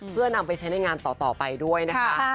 เพื่อนำไปใช้ในงานต่อไปด้วยนะคะ